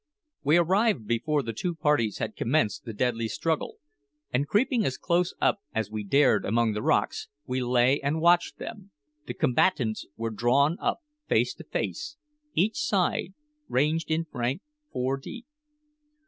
We arrived before the two parties had commenced the deadly struggle, and creeping as close up as we dared among the rocks, we lay and watched them. The combatants were drawn up face to face, each side ranged in rank four deep.